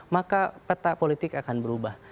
maka peta politik akan berubah